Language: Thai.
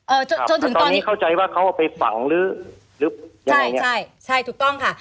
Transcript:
จนจนถึงตอนนี้เข้าใจว่าเขาเอาไปฝังหรือหรือยังใช่ใช่ถูกต้องค่ะ